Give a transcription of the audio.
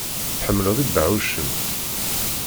Tḥemmleḍ ibeɛɛucen?